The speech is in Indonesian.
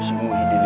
si muhyiddin itu